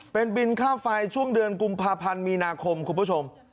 เป็นบินค่าไฟช่วงเดือนกุมภาพันธ์มีนาคมคุณผู้ชม